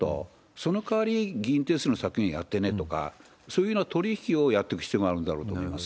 その代わり、議員定数の削減やってねとか、そういうような取り引きをやってく必要があるんだろうと思います。